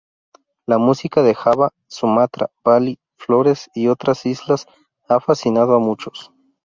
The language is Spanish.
La música de Java, Sumatra, Bali, Flores y otras islas ha fascinado a muchos.